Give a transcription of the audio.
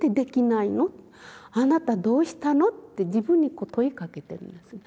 あなたどうしたの？」って自分に問いかけてるんですね。